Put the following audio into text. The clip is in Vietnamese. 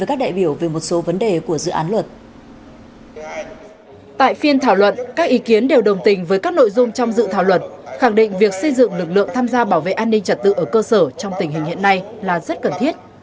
tại phiên thảo luận các ý kiến đều đồng tình với các nội dung trong dự thảo luật khẳng định việc xây dựng lực lượng tham gia bảo vệ an ninh trật tự ở cơ sở trong tình hình hiện nay là rất cần thiết